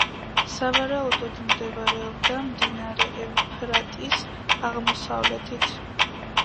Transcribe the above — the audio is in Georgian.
სავარაუდოდ მდებარეობდა მდინარე ევფრატის აღმოსავლეთით.